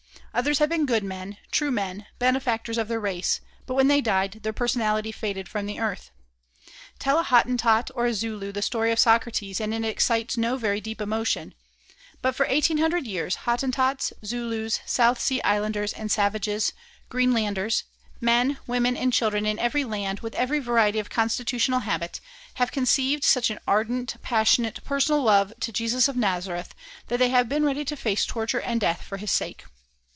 Others have been good men, true men, benefactors of their race, but when they died their personality faded from the earth. Tell a Hottentot or a Zulu the story of Socrates, and it excites no very deep emotion; but, for eighteen hundred years, Hottentots, Zulus, South Sea Islanders and savages, Greenlanders, men, women, and children in every land, with every variety of constitutional habit, have conceived such an ardent, passionate, personal love to Jesus of Nazareth that they have been ready to face torture and death for his sake.